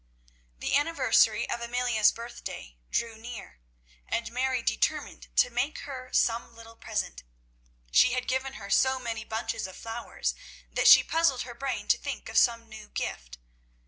The anniversary of Amelia's birthday drew near, and Mary determined to make her some little present. She had given her so many bunches of flowers, that she puzzled her brain to think of some new gift.